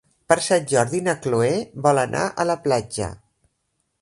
Per Sant Jordi na Cloè vol anar a la platja.